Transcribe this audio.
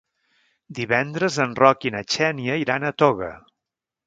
Divendres en Roc i na Xènia iran a Toga.